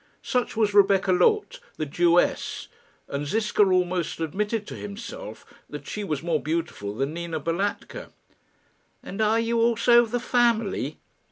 Such was Rebecca Loth the Jewess, and Ziska almost admitted to himself that she was more beautiful than Nina Balatka. "And are you also of the family?"